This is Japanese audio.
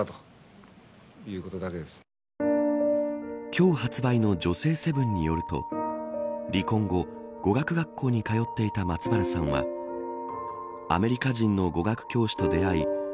今日発売の女性セブンによると離婚後、語学学校に通っていた松原さんはアメリカ人の語学教師と出会い